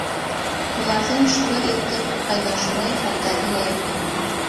Уларҙың шулай итеп ҡайнашмай хәлдәре лә юҡ.